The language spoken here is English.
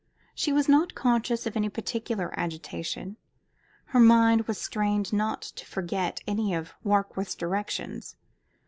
She was not conscious of any particular agitation. Her mind was strained not to forget any of Warkworth's directions.